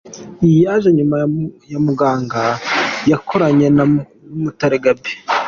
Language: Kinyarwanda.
Iyi yaje nyuma ya ‘Muganga’ yakoranye na Umutare Gabby.